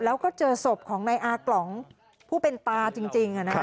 แล้วก็เจอศพของนายอากล่องผู้เป็นตาจริง